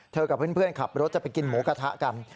กับเพื่อนขับรถจะไปกินหมูกระทะกัน